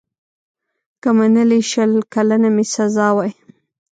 که منلې شل کلنه مي سزا وای